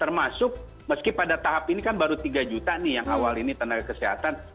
termasuk meski pada tahap ini kan baru tiga juta nih yang awal ini tenaga kesehatan